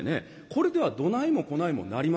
これではどないもこないもなりません。